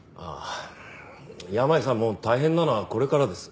山家さんも大変なのはこれからです。